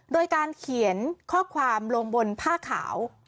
โดยการเขียนข้อความลงบนผ้าขาว